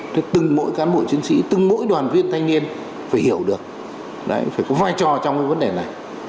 thì từng mỗi cán bộ chiến sĩ từng mỗi đoàn viên thanh niên phải hiểu được phải có vai trò trong cái vấn đề này